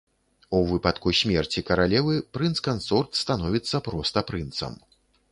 У выпадку смерці каралевы прынц-кансорт становіцца проста прынцам.